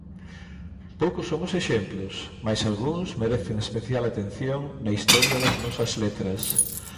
Poucos son os exemplos mais algúns merecen especial atención na historia das nosas letras.